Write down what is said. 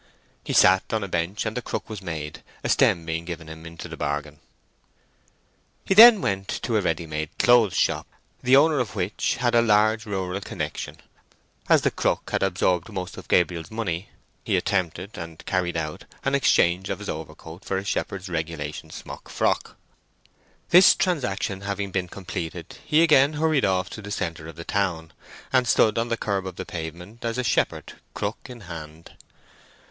He sat on a bench and the crook was made, a stem being given him into the bargain. He then went to a ready made clothes' shop, the owner of which had a large rural connection. As the crook had absorbed most of Gabriel's money, he attempted, and carried out, an exchange of his overcoat for a shepherd's regulation smock frock. This transaction having been completed, he again hurried off to the centre of the town, and stood on the kerb of the pavement, as a shepherd, crook in hand.